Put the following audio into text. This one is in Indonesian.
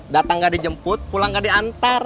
datang nggak dijemput pulang gak diantar